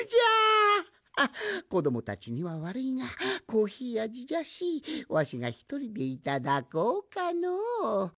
あっこどもたちにはわるいがコーヒーあじじゃしわしがひとりでいただこうかの。